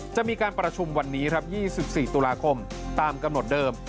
จะมีการประชุมวันนี้ครับ๒๔ตุลาคมตามกำหนดเดิม